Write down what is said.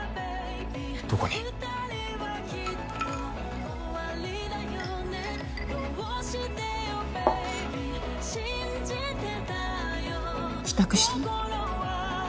どこに？支度して。